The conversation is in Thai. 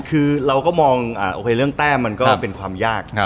คือเราก็มองโอเคเรื่องแต้มมันก็เป็นความยาก